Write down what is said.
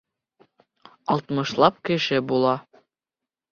Алтмышлап кеше була.